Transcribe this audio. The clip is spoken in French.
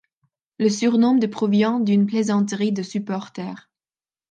Le surnom de provient d'une plaisanterie de supporters.